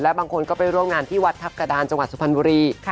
บางคนก็ไปร่วมงานที่วัดทัพกระดานจังหวัดสุพรรณบุรี